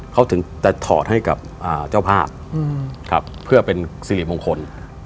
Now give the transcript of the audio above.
เขาถอดให้กับเจ้าภาพครับเพื่อเป็นสิริมงคล